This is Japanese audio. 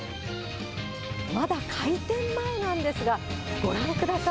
まだ開店前なんですが、ご覧ください。